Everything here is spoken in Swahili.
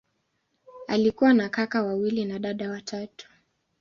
Alikuwa na kaka wawili na dada watatu.